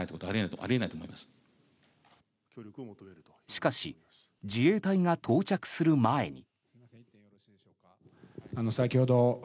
しかし自衛隊が到着する前に。